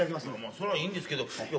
それはいいんですけどいや